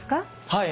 はい。